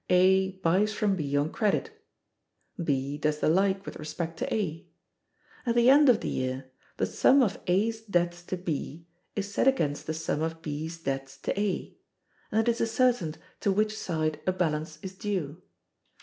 A buys from B on credit. B does the like with respect to A. At the end of the year, the sum of A's debts to B is set against the sum of B's debts to A, and it is ascertained to which side a balance is due.